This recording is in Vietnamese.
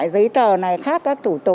giấy tờ này khác các thủ tục